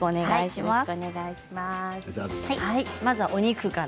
まずは、お肉から。